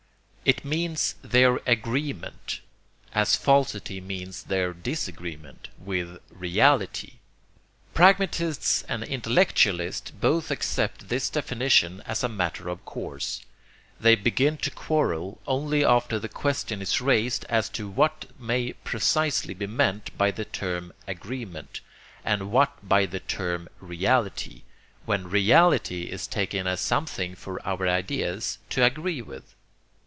It means their 'agreement,' as falsity means their disagreement, with 'reality.' Pragmatists and intellectualists both accept this definition as a matter of course. They begin to quarrel only after the question is raised as to what may precisely be meant by the term 'agreement,' and what by the term 'reality,' when reality is taken as something for our ideas to agree with.